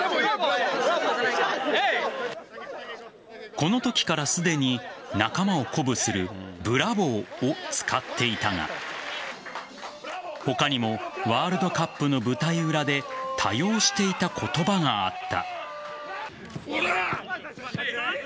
このときからすでに仲間を鼓舞するブラボーを使っていたが他にもワールドカップの舞台裏で多用していた言葉があった。